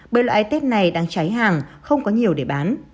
bởi loại test này đang cháy hàng không có nhiều để bán